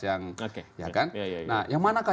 yang ya kan nah yang manakah